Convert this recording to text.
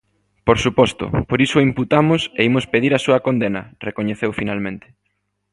Por suposto, por iso o imputamos e imos pedir a súa condena, recoñeceu finalmente.